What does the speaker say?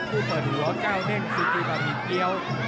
ผู้เปิดหัวเก้าเด้งสุกีปะหมีเกี๊ยว